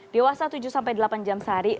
dewasa tujuh delapan jam sehari